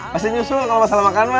pasti nyusul kalau masalah makan mas